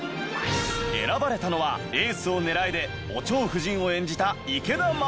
選ばれたのは『エースをねらえ！』でお蝶夫人を演じた池田昌子。